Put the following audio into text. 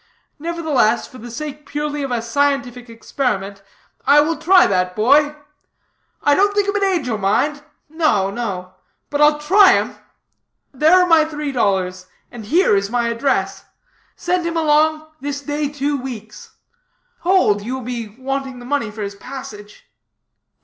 Nevertheless, for the sake purely of a scientific experiment, I will try that boy. I don't think him an angel, mind. No, no. But I'll try him. There are my three dollars, and here is my address. Send him along this day two weeks. Hold, you will be wanting the money for his passage.